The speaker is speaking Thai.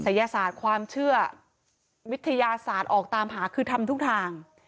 ศาสตร์ความเชื่อวิทยาศาสตร์ออกตามหาคือทำทุกทาง